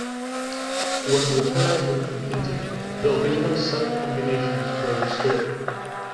When repairs were completed the original set combinations were restored.